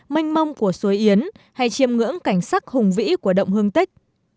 manh mông của suối yến hay chiêm ngưỡng cảnh sắc hùng vĩ của động hương tết